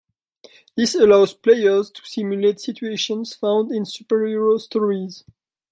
This allows players to simulate situations found in superhero stories.